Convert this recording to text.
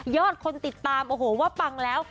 คนติดตามโอ้โหว่าปังแล้ว